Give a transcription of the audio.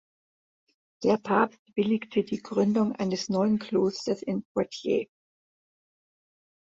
Der Papst billigte die Gründung eines neuen Klosters in Poitiers.